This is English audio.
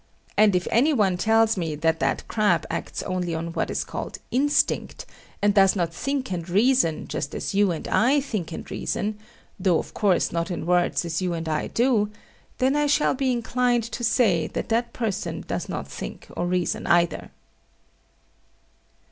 And if any one tells me that that crab acts only on what is called "instinct"; and does not think and reason, just as you and I think and reason, though of course not in words as you and I do: then I shall be inclined to say that that person does not think nor reason either.